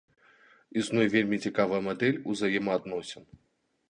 Існуе вельмі цікавая мадэль узаемаадносін.